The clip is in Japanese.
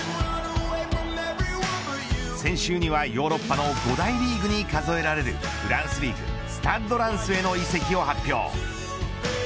先週にはヨーロッパの５大リーグに数えられるフランスリーグスタッド・ランスへの移籍を発表。